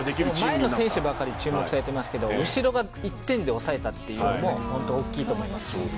前の選手ばかり注目されていますが後ろが１点で抑えたのも大きいと思います。